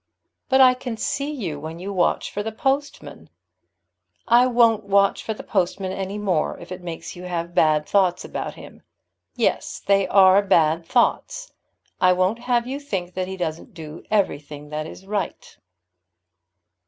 "But I can see you when you watch for the postman." "I won't watch for the postman any more if it makes you have bad thoughts about him. Yes, they are bad thoughts. I won't have you think that he doesn't do everything that is right."